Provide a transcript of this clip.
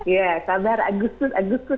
ya sabar agus agus